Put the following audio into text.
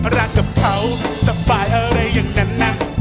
รักกับเขาแต่ฝ่ายอะไรอย่างนั้นนะ